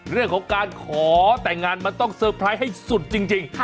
เรื่องของการขอแต่งงานมันต้องเซอร์ไพรส์ให้สุดจริง